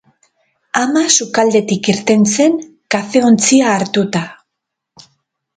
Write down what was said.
Ama sukaldetik irten zen kafe-ontzia hartuta.